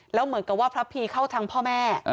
แล้วเหมือนกับว่าพระพีเข้าทางพ่อแม่